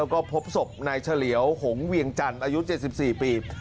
พอพบศพในเฉลียวหงเวียงจันทร์อายุ๗๔ปี